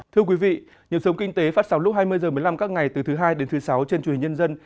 thưa quý vị những sống kinh tế phát sóng lúc hai mươi h một mươi năm các ngày từ thứ hai đến thứ sáu trên chủ nhật nhân dân